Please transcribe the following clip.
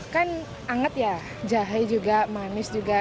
kan anget ya jahe juga manis juga